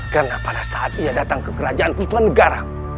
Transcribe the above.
karena pada saat ia datang ke kerajaan puspanegara